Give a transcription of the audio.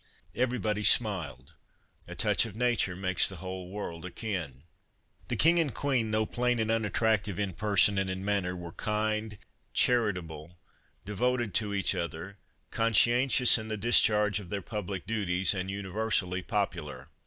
Everybody smiled — a touch of nature makes the whole world akin. The King and Queen, though plain and un attractive in person and manner, were kind, chari table, devoted to each other, conscientious in the discharge of their public duties and universally popu lar.